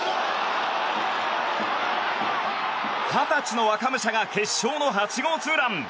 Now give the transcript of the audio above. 二十歳の若武者が決勝の８号ツーラン。